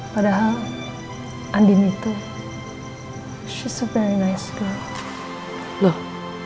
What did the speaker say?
padahal andi itu dia orang yang sangat baik